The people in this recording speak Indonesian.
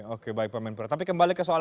oke baik pak menpora tapi kembali ke soal